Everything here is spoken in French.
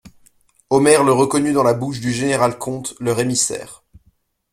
Omer le reconnut dans la bouche du général-comte, leur émissaire.